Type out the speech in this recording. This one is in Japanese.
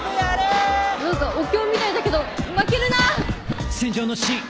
何かお経みたいだけど負けるな！